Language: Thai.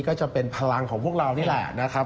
ก็จะเป็นพลังของพวกเรานี่แหละนะครับ